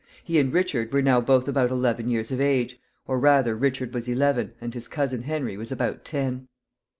He and Richard were now both about eleven years of age; or rather, Richard was eleven, and his cousin Henry was about ten.